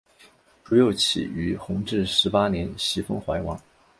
朱佑棨于弘治十八年袭封淮王。